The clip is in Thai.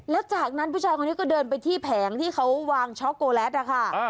แล้วจากนั้นผู้ชายคนนี้ก็เดินไปที่แผงที่เขาวางช็อกโกแลตนะคะ